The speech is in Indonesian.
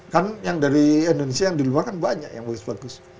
kan yang dari indonesia yang di luar kan banyak yang bagus bagus